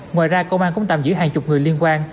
ngoài ra công an cũng tạm giữ hàng chục người liên quan